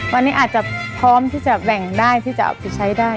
วันนี้อาจจะพร้อมที่จะแบ่งได้ที่จะเอาไปใช้ได้